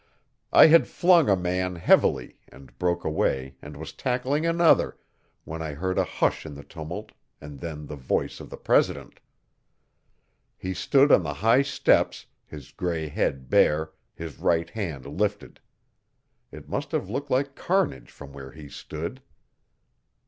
I had flung a man, heavily, and broke away and was tackling another when I heard a hush in the tumult and then the voice of the president. He stood on the high steps, his grey head bare, his right hand lifted. It must have looked like carnage from where he stood.